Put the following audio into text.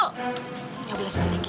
kita belasah lagi